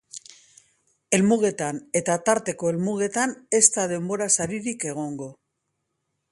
Helmugetan eta tarteko helmugetan ez da denbora saririk egongo.